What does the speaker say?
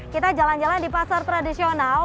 kita jalan jalan di pasar tradisional